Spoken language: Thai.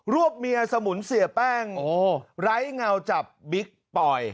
วบเมียสมุนเสียแป้งไร้เงาจับบิ๊กปอย